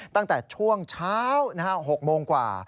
ตั้งแต่ช่วงเช้า๖โมงกว่า